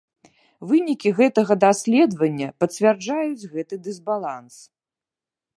Вынікі гэтага даследавання пацвярджаюць гэты дысбаланс.